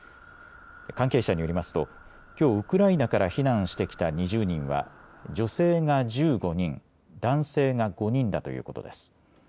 関係者によりますときょうウクライナから避難してきた２０人は女性が１５人、男性が５人だということです。